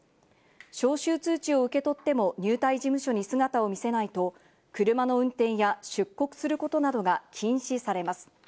招集通知を受け取っても入隊事務所に姿を見せないと車の運転や出国することなどが禁止されます。